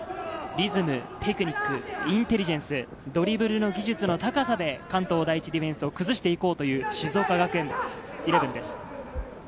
リズム、テクニック、インテリジェンス、ドリブルの技術の高さで関東第一ディフェンスを崩して行こうという静岡学園イレブンです。